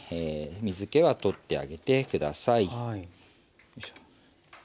水けは取ってあげて下さい。